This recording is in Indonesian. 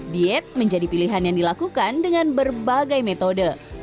diet menjadi pilihan yang dilakukan dengan berbagai metode